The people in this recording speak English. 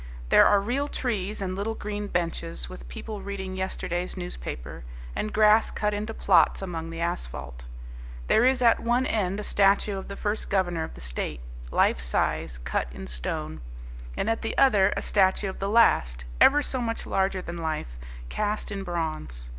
There are real trees and little green benches, with people reading yesterday's newspaper, and grass cut into plots among the asphalt. There is at one end a statue of the first governor of the state, life size, cut in stone; and at the other a statue of the last, ever so much larger than life, cast in bronze.